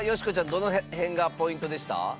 どの辺がポイントでした？